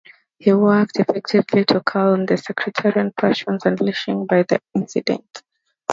He worked effectively to calm the sectarian passions unleashed by the incident.